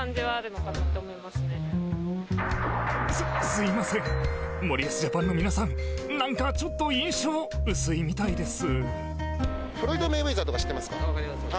す、すみません森保ジャパンの皆さん何かちょっと印象薄いみたいです。